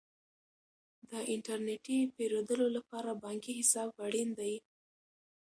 د انټرنیټي پیرودلو لپاره بانکي حساب اړین دی.